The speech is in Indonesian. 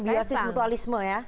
jadi simbiosis mutualisme ya